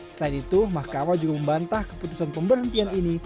selain itu mahkamah juga membantah keputusan pemberhentian ini